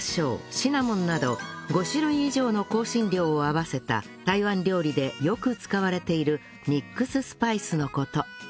シナモンなど５種類以上の香辛料を合わせた台湾料理でよく使われているミックススパイスの事